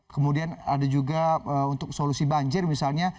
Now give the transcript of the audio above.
kemudian ada juga untuk solusi banjir misalnya